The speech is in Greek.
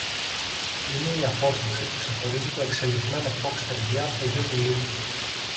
Είναι η απόσταση που ξεχωρίζει το εξελιγμένο φοξ-τεριέ από το γιο του λύκου